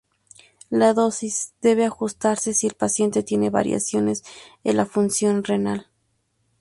La dosis debe ajustarse si el paciente tiene variaciones en la función renal.